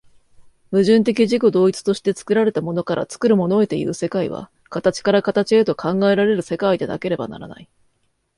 矛盾的自己同一として作られたものから作るものへという世界は、形から形へと考えられる世界でなければならない。